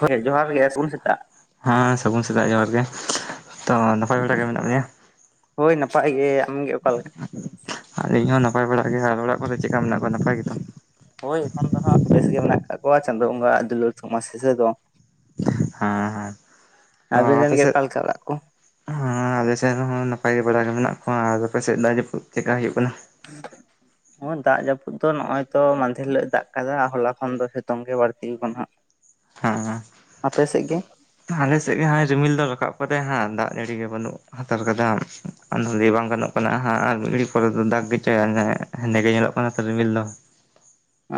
ᱦᱚᱭ ᱡᱚᱦᱟᱨ ᱜᱮ [inaudible] ᱦᱟᱸ ᱥᱟᱹᱜᱩᱱ ᱥᱮᱛᱟᱜ ᱡᱚᱦᱟᱨ ᱜᱮ, ᱛᱚ ᱱᱟᱯᱟᱭ ᱵᱮᱲᱟ ᱜᱮ ᱢᱮᱱᱟᱜ ᱢᱮᱭᱟ᱾ ᱦᱚᱭ ᱱᱟᱯᱟᱭ ᱜᱮ ᱟᱢᱜᱮ ᱚᱠᱟ ᱞᱮᱠᱟ? ᱟᱞᱤᱧ ᱦᱚᱸ ᱱᱟᱯᱟᱭ ᱵᱟᱲᱟ ᱜᱮ ᱟᱨ ᱚᱲᱟᱜ ᱠᱚᱨᱮ ᱪᱮᱜᱠᱟ ᱢᱮᱱᱟᱜ ᱠᱚᱣᱟ ᱱᱟᱯᱟᱭ ᱜᱮᱛᱚ? ᱦᱚᱭ ᱮᱠᱷᱚᱱ ᱫᱚ ᱦᱟᱸᱜ ᱵᱮᱥ ᱜᱮ ᱢᱮᱱᱟᱜ ᱠᱟᱜ ᱠᱚᱣᱟ ᱪᱟᱸᱫᱚ ᱵᱚᱸᱜᱟᱣᱟᱜ ᱫᱩᱞᱟᱹᱲ ᱛᱷᱩᱢᱟᱥᱤᱥ [unintelligible] ᱫᱚ ᱦᱮᱸ ᱦᱮᱸ ᱛᱚ ᱟᱵᱤᱱ ᱨᱮᱱ ᱟᱯᱮ ᱜᱮ ᱥᱮᱫ ᱚᱠᱟᱞᱮᱠᱟ ᱚᱲᱟᱜ ᱠᱚ? ᱦᱚᱸ ᱟᱞᱮᱥᱮᱜ ᱨᱮᱦᱚᱸ ᱱᱟᱯᱟᱭ ᱵᱟᱲᱟ ᱜᱮ ᱢᱮᱱᱟᱜ ᱠᱚᱣᱟ ᱟᱨ ᱟᱯᱮ ᱥᱮᱜ ᱫᱟᱜ ᱡᱟᱹᱯᱩᱫ ᱪᱮᱜᱠᱟ ᱦᱩᱭᱩᱜ ᱠᱟᱱᱟ? [inaudible] [unintelligible] ᱫᱟᱜ ᱡᱟᱹᱯᱩᱫ ᱫᱚ ᱱᱚᱜᱼᱚᱭ ᱛᱚ ᱢᱟᱦᱫᱷᱮᱨ ᱦᱤᱞᱚᱜ ᱮ ᱫᱟᱜ ᱟᱠᱟᱫᱟ ᱦᱚᱞᱟ ᱠᱷᱚᱱ ᱫᱚ ᱥᱤᱛᱩᱝ ᱜᱮ ᱵᱟᱹᱲᱛᱤ ᱫᱚ ᱱᱟ ᱦᱟᱜ ᱾ ᱦᱮᱸ ᱟᱯᱮ ᱥᱮᱜ ᱜᱮ? ᱟᱞᱮ ᱥᱮᱜ ᱜᱮ ᱦᱟᱸᱜ ᱨᱤᱢᱤᱞ ᱫᱚ ᱨᱟᱠᱟᱵ ᱟᱠᱟᱫᱟᱭ ᱦᱮᱸᱜ ᱫᱟᱜ ᱡᱟᱹᱲᱤ ᱜᱮ ᱵᱟᱹᱱᱩᱜ᱾ ᱦᱟᱛᱟᱲ ᱠᱟᱫᱟ ᱟᱫᱚ ᱞᱟ. ᱭ ᱵᱟᱝ ᱜᱟᱱᱚᱜ ᱠᱟᱱᱟ ᱦᱟᱸᱜ ᱟᱨ ᱢᱤᱫᱤᱲᱦᱤ ᱯᱚᱨᱮ ᱫᱚ ᱫᱟᱜᱽ ᱜᱮᱪᱚᱭ ᱦᱮᱸᱫᱮ ᱜᱮ ᱧᱮᱞᱚᱜ ᱠᱟᱱᱟ ᱛᱚ ᱨᱤᱢᱤᱞ ᱫᱚ᱾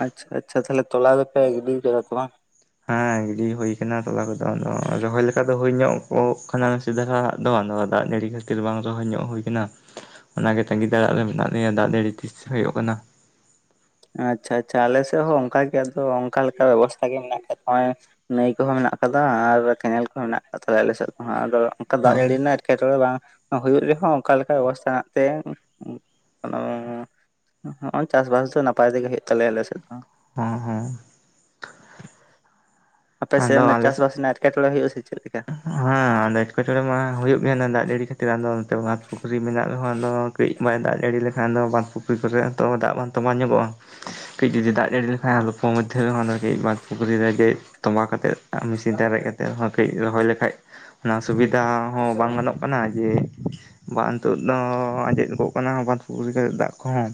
ᱟᱪᱪᱷᱟ ᱟᱪᱪᱷᱟ ᱛᱟᱦᱚᱞᱮ ᱛᱚᱞᱟ ᱫᱚᱯᱮ ᱜᱤᱰᱤ ᱠᱟᱫᱟ ᱛᱚ ᱵᱟᱝ? ᱦᱮᱸ ᱜᱤᱰᱤ ᱦᱳᱭ ᱟᱠᱟᱱᱟ ᱛᱚᱞᱟ ᱠᱚᱫᱚ ᱟᱫᱚ ᱨᱚᱦᱚᱭ ᱞᱮᱠᱟ ᱫᱚ ᱦᱩᱭ ᱧᱚᱜᱚᱜ ᱠᱟᱱᱟ᱾ ᱫᱷᱟᱨᱟᱜ ᱫᱚ ᱟᱫᱚ ᱫᱟᱜ ᱡᱟᱹᱲᱤ ᱠᱷᱟᱹᱛᱤᱨ ᱵᱟᱝ ᱨᱚᱦᱚᱭ ᱧᱚᱜ ᱦᱩᱭ ᱠᱟᱱᱟ᱾ ᱚᱱᱟᱜᱮ ᱛᱟᱸᱜᱤ ᱛᱸᱟᱲᱟᱜ ᱨᱮ ᱢᱮᱱᱟᱜ ᱞᱮᱭᱟ ᱫᱟᱜ ᱡᱟᱹᱲᱤ ᱛᱤᱥ ᱦᱩᱭᱩᱜ ᱠᱟᱱᱟ᱾ ᱟᱪᱪᱷᱟ ᱟᱪᱪᱷᱟ ᱟᱞᱮᱮᱥᱮᱫ ᱦᱚᱸ ᱚᱱᱠᱟᱜ ᱜᱮ ᱟᱫᱚ ᱚᱱᱠᱟ ᱞᱮᱠᱟ ᱵᱮᱵᱚᱥᱛᱛᱟ ᱜᱮ ᱢᱮᱱᱟᱜ ᱠᱟᱫᱟ᱾ ᱱᱟᱹᱭ ᱠᱚᱦᱚᱸ ᱢᱮᱱᱟᱜ ᱠᱟᱫᱟ, ᱟᱨ ᱠᱮᱱᱮᱞ ᱠᱚᱦᱚᱸ ᱢᱮᱱᱟᱜ ᱠᱟᱫ ᱛᱟᱞᱮᱭᱟ ᱟᱞᱮ ᱥᱮᱫ ᱫᱚᱦᱟᱸᱜ ᱟᱫᱚ ᱚᱱᱠᱟ ᱫᱟᱜ ᱡᱟᱹᱲᱤ ᱦᱚᱸ ᱨᱮᱱᱟᱜ ᱮᱴᱠᱮᱴᱚᱬᱮ ᱵᱟᱝ ᱦᱩᱭᱩᱜ ᱨᱮᱦᱚᱸ ᱚᱱᱠᱟ ᱞᱮᱠᱟ ᱚᱵᱚᱥᱛᱷᱟ ᱢᱮᱱᱟᱜ ᱛᱮ [unintelligible] ᱦᱚᱸᱮ ᱪᱟᱥᱵᱟᱥ ᱫᱚ ᱱᱟᱯᱟᱭ ᱛᱮᱜᱮ ᱦᱮᱡ ᱛᱟᱞᱮᱭᱟ ᱟᱞᱮ ᱥᱮᱫ ᱫᱚ᱾ ᱦᱚᱸ ᱦᱚᱸ ᱟᱯᱮ ᱥᱮ ᱟᱫᱚ ᱟᱞᱮ ᱪᱟᱥ ᱥᱮᱫ ᱵᱟᱟᱥ ᱮᱴᱠᱮᱴᱚᱬᱮ ᱦᱩᱭᱩᱜ ᱟ ᱥᱮ ᱪᱮᱫ ᱞᱮᱠᱟ᱾ ᱦᱮᱸ ᱟᱫᱚ ᱮᱴᱠᱮᱴᱚᱬᱮ ᱢᱟ ᱦᱩᱭᱩᱜ ᱜᱮᱭᱟ ᱫᱟᱜ ᱡᱟᱹᱲᱤ ᱠᱷᱟᱹᱛᱤᱨ ᱟᱫᱚ ᱱᱚᱛ ᱵᱸ ᱯᱩᱠᱷᱨᱤ ᱢᱮᱱᱟᱜ ᱨᱮᱦᱚᱸ ᱟᱫᱚ᱾ ᱠᱟᱹᱡ ᱵᱟᱭ ᱫᱟᱜ ᱡᱟᱹᱲᱤ ᱞᱮᱠᱷᱟᱱ ᱫᱚ ᱵᱟᱸᱫᱷ ᱯᱩᱠᱷᱤ ᱠᱚᱨᱮ ᱛᱚ ᱫᱟᱜ ᱵᱟᱝᱟᱱ ᱛᱚ ᱵᱟᱝ ᱧᱚᱜᱚᱜᱼᱟ᱾ ᱠᱟᱹᱡ ᱡᱩᱫᱤ ᱫᱟᱜ ᱡᱟᱹᱲᱤ ᱞᱮᱠᱷᱟᱱ ᱟᱞᱚᱯᱚ ᱢᱚᱫᱽᱫᱷᱮ ᱨᱮ ᱠᱟᱹᱡ ᱵᱟᱸᱷ ᱯᱩᱠᱷᱨᱤ ᱨᱮ ᱜᱮ ᱛᱚᱸᱵᱟ ᱠᱟᱛᱮᱫ᱾ ᱢᱮᱥᱤᱱ ᱛᱮ ᱟᱨᱮᱡ ᱠᱟᱛᱮᱮᱫᱦ ᱠᱟᱹᱡ ᱨᱚᱦᱚᱭ ᱞᱮᱠᱷᱟᱡ ᱚᱱᱟ ᱥᱩᱵᱤᱫᱟ ᱦᱚᱸ ᱵᱟᱝ ᱜᱟᱱᱚᱜ ᱠᱟᱱᱟ᱾ ᱠᱟᱱᱟ ᱡᱮ ᱵᱟᱸᱫᱤᱛᱚᱜ ᱫᱚ ᱟᱸᱡᱮᱫ ᱜᱚᱜ ᱠᱟᱱᱟ ᱵᱟᱸᱫ ᱯᱩᱠᱷᱨᱤ ᱠᱟᱛᱮᱮᱫ ᱫᱟᱜ ᱠᱚᱦᱚᱸ᱾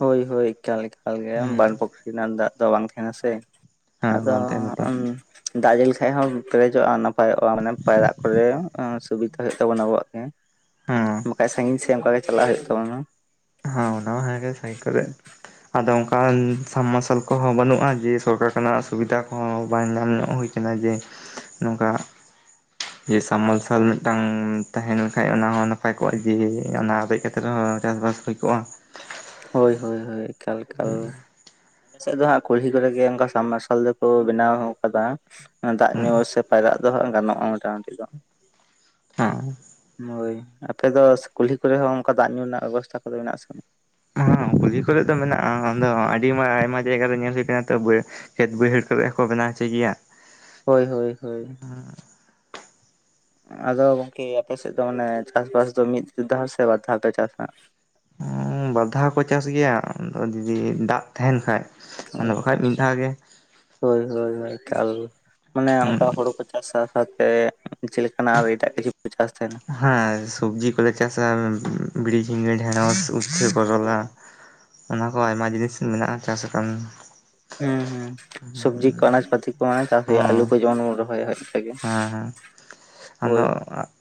ᱦᱳᱭ ᱦᱳᱭ ᱮᱠᱟᱞ ᱮᱠᱟᱞ ᱜᱮ ᱦᱮᱸ ᱵᱟᱸ ᱯᱩᱠᱷᱨᱤ ᱨᱮᱱᱟᱜ ᱫᱟᱜ ᱫᱚ ᱵᱟᱝ ᱛᱟᱦᱮᱱᱟ ᱥᱮ᱾ ᱦᱮᱸ ᱟᱫᱚ ᱵᱟᱝ ᱛᱟᱦᱮᱱᱟ ᱛᱚ [unintelligible] ᱫᱟᱜ ᱡᱟᱹᱲᱤ ᱞᱮᱠᱷᱟᱱᱡ ᱦᱚᱸ ᱯᱮᱨᱮᱡᱚᱜᱼᱟ, ᱱᱟᱯᱟᱭᱚᱜᱼᱟ ᱢᱟᱱᱮ ᱯᱟᱭᱨᱟᱜ ᱠᱚᱨᱮ ᱥᱩᱵᱤᱛᱤᱫᱟ ᱦᱩᱭᱩᱜ ᱛᱟᱵᱚᱱᱟ ᱟᱵᱚᱣᱟᱜ ᱜᱮ ᱦᱮᱸ ᱵᱟᱠᱟᱡ ᱥᱟᱺᱜᱤᱧ ᱥᱮᱫ ᱚᱱᱠᱟ ᱜᱮ ᱪᱟᱞᱟᱜ ᱦᱩᱭᱩᱜ ᱛᱟᱵᱚᱱᱟ ᱾ ᱦᱚᱭ ᱚᱱᱟ ᱦᱚᱸ ᱦᱮᱸᱜᱮ ᱥᱟᱹᱭ ᱠᱚᱨᱮ ᱟᱫᱚ ᱚᱱᱠ ᱥᱟᱵᱽᱢᱟᱨᱥᱟᱞ ᱠᱚᱦᱚᱸ ᱵᱟᱹᱱᱩᱜᱼᱟ᱾ ᱡᱮ ᱥᱚᱨᱠᱟᱨ ᱠᱷᱚᱱᱟᱜ ᱥᱩᱵᱤᱫᱟ ᱠᱚᱦᱚᱸ ᱵᱟᱝ ᱧᱟᱢ ᱧᱚᱜ ᱦᱩᱭ ᱟᱠᱟᱱᱟ ᱡᱮ ᱱᱚᱝᱠᱟ ᱡᱮ ᱥᱟᱢᱚᱞᱥᱞ ᱢᱤᱫᱴᱟᱝ ᱛᱟᱦᱮᱸᱱ ᱠᱷᱟᱱ ᱚᱱᱟ ᱦᱚᱸ ᱱᱟᱯᱟᱭ ᱠᱚᱜᱼᱟ᱾ ᱡᱮ ᱚᱱᱟ ᱨᱮᱮᱡ ᱠᱟᱛᱮ ᱨᱮᱦᱚᱸ ᱪᱟᱥᱵᱥ ᱦᱩᱭ ᱠᱚᱜᱼᱟ᱾ ᱦᱳᱭ - ᱦᱳᱭ - ᱦᱳᱭ ᱮᱠᱟᱞ ᱮᱠᱟᱞ ᱟᱞᱮᱮᱥᱮᱫ ᱫᱚ ᱦᱟᱜ ᱠᱩᱞᱦᱤ ᱠᱚᱨᱮ ᱜᱮ ᱚᱱᱠᱟ ᱥᱟᱵᱢᱟᱨᱥᱟᱞ ᱫᱚᱠᱚ ᱵᱮᱱᱟᱣ ᱟᱠᱟᱫᱟ ᱫᱟᱜ ᱦᱮᱸ ᱧᱩ ᱥᱮ ᱯᱟᱭᱨᱟᱜ ᱫᱚᱦᱟᱸᱜ ᱜᱟᱱᱚᱜᱼᱟ ᱢᱚᱴᱟᱢᱩᱴᱤ ᱫᱚ᱾ ᱦᱚᱸ ᱦᱳᱭ ᱟᱯᱮ ᱫᱚ ᱠᱩᱞᱦᱤ ᱠᱚᱨᱮ ᱦᱚᱸ ᱚᱱᱠᱟ ᱫᱟᱜ ᱧᱩ ᱨᱮᱱᱟᱜ ᱵᱮᱵᱚᱥᱛᱛᱟ ᱠᱚᱫᱚ ᱢᱮᱱᱟᱜ ᱟᱥᱮ ᱵᱟᱝ? ᱦᱮᱸ ᱠᱩᱞᱦᱤ ᱠᱚᱨᱮ ᱫᱚ ᱢᱮᱱᱟᱜᱼᱟ ᱾ᱫᱚ ᱟᱹᱰᱤᱢᱟ ᱟᱭᱢᱟ ᱡᱟᱭᱜᱟ ᱨᱮ ᱧᱮᱞ ᱦᱩᱭ ᱠᱟᱱᱟ ᱛᱚ ᱵ ᱠᱷᱮᱛ ᱵᱟᱹᱭᱦᱟᱹᱲ ᱠᱚᱨᱮ ᱠᱚ ᱵᱮᱱᱟᱣ ᱦᱚᱪᱚᱭ ᱜᱮᱭᱟ ᱾ ᱦᱳᱭ ᱦᱳᱭ ᱦᱳᱭ ᱟᱫᱚ ᱜᱚᱝᱠᱮ ᱟᱯᱮ ᱥᱮᱫ ᱫᱚ ᱢᱟᱱᱮ ᱪᱟᱥᱵᱟᱥ ᱫᱚ ᱢᱤᱫ ᱫᱷᱟᱣ ᱥᱮ ᱵᱟᱨ ᱫᱷᱟᱣ ᱯᱮ ᱪᱟᱥᱟ ᱾ ᱵᱟᱫᱷᱟᱭ ᱠᱚ ᱪᱟᱥ ᱜᱮᱭᱟ ᱟᱫᱚ ᱫᱩᱤᱫᱤ ᱫᱟᱜ ᱛᱟᱦᱮᱱ ᱠᱷᱟᱡ ᱵᱟᱱᱩᱜ ᱠᱷᱟᱱ ᱢᱤᱫ ᱫᱷᱟᱣ ᱜᱮ ᱾ ᱦᱳᱭ ᱦᱳᱭ ᱦᱳᱭ ᱮᱠᱟᱞ ᱢᱟᱱᱮ ᱦᱮᱸ ᱚᱱᱠᱟ ᱦᱳᱲᱳ ᱠᱚ ᱥᱟᱶ ᱥᱟᱶᱛᱮ ᱪᱮᱫ ᱞᱮᱠᱟᱱᱟᱜ ᱮᱴᱟᱜ ᱠᱤᱪᱷᱩ ᱪᱟᱥ ᱛᱟᱦᱮᱱᱟ᱾ ᱦᱮᱸ ᱥᱚᱵᱡᱤ ᱠᱚᱞᱮ ᱪᱟᱥᱟ᱾ ᱵᱤᱲᱤ, ᱡᱷᱤᱜᱟ, ᱰᱷᱮᱲᱳᱥ, ᱤᱪᱪᱷᱟᱹ ᱠᱳᱨᱳᱞᱟ᱾ ᱚᱱᱟ ᱠᱚ ᱢᱟ ᱟᱭᱢᱟ ᱡᱤᱱᱤᱥ ᱢᱮᱱᱟᱜᱼᱟ ᱪᱟᱥ ᱨᱚᱠᱚᱢ ᱦᱮᱸ ᱦᱮᱸ ᱥᱚᱵᱽᱡᱤ ᱠᱚ ᱟᱱᱟᱡ ᱯᱟᱟᱹᱛᱤ ᱠᱚ ᱪᱟᱥ ᱦᱩᱭᱩᱜᱼᱟ᱾ ᱟᱞᱩ ᱦᱮᱸ ᱠᱚ ᱡᱮᱢᱚᱱ ᱵᱚᱱ ᱨᱚᱦᱚᱭᱟ ᱤᱱᱠ ᱜᱮ᱾ ᱟᱫᱚ